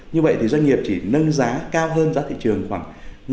như vậy thì doanh nghiệp chỉ nâng giá cao hơn giá thị trường khoảng năm một mươi